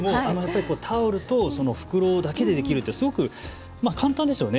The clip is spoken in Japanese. タオルと袋だけでできるって、すごく簡単ですよね。